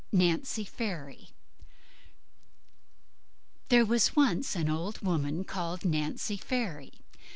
NANCY FAIRY There was once an old woman called "Nancy Fairy".